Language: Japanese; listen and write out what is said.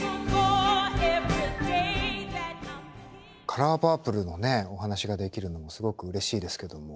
「カラーパープル」のねお話ができるのもすごくうれしいですけども。